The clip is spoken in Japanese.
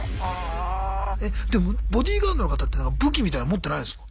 えでもボディーガードの方というのは武器みたいの持ってないんすか？